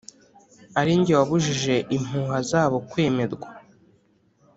Ari jye wabujije impuha zabo kwemerwa.